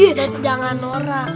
dan jangan nolak